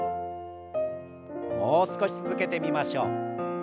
もう少し続けてみましょう。